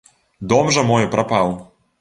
Дом жа мой прапаў.